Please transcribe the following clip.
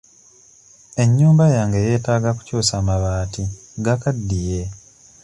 Ennyumba yange yeetaaga kukyusa mabaati gakaddiye.